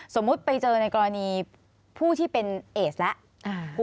สมมุติไปเจอในกรณีผู้ที่เป็นเอสแล้ว